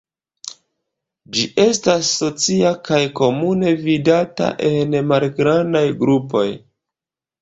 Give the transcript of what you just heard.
Ĝi estas socia kaj komune vidata en malgrandaj grupoj.